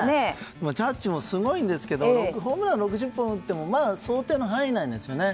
ジャッジもすごいんですけどホームラン６０本打ってもまあ、想定の範囲内なんですよね。